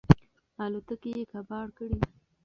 الوتکې یې کباړ کړې.